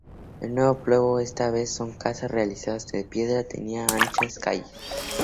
El nuevo pueblo, esta vez con casas realizadas de piedra, tenía anchas calles.